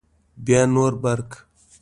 بیا نور برق